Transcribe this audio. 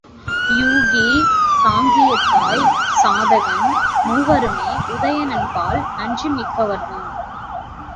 யூகி, சாங்கியத் தாய், சாதகன் மூவருமே உதயணன்பால் நன்றி மிக்கவர்தாம்.